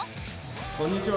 こんにちは。